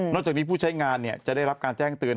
จากนี้ผู้ใช้งานจะได้รับการแจ้งเตือน